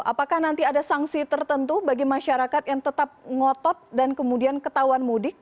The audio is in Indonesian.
apakah nanti ada sanksi tertentu bagi masyarakat yang tetap ngotot dan kemudian ketahuan mudik